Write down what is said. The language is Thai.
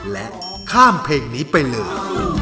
และข้ามเพลงนี้ไปเลย